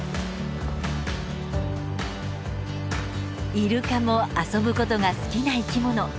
イルカも遊ぶことが好きな生き物。